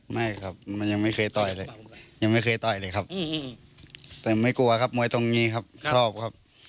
ไม่ครับมันยังไม่เคยต่อยเลยยังไม่เคยต่อยเลยครับแต่ไม่กลัวครับมวยตรงนี้ครับชอบครับ